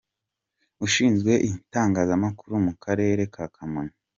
Ushinzwe Itangazamakuru mu Karere ka Kamonyi.